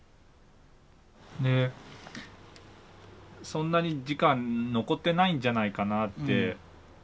「そんなに時間残ってないんじゃないかな」って